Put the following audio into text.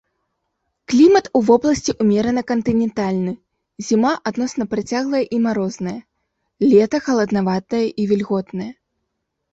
Клімат у вобласці ўмерана кантынентальны, зіма адносна працяглая і марозная, лета халаднаватае і вільготнае.